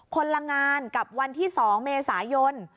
คนละงานกับวันที่๒เมษายน